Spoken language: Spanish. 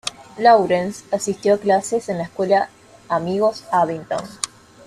Lawrence asistió a clases en la Escuela Amigos Abington.